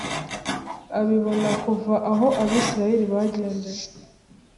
abibona kuva aho abisirayeli bagendeye